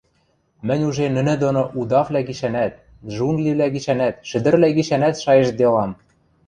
Мӹнь уже нӹнӹ доно удаввлӓ гишӓнӓт, джунгливлӓ гишӓнӓт, шӹдӹрвлӓ гишӓнӓт шайыштделам.